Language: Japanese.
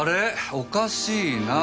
おかしいなぁ。